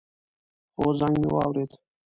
هو، زنګ می واورېد